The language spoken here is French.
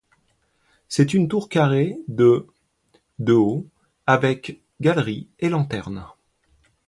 C'est une tour carrée de de haut, avec galerie et lanterne.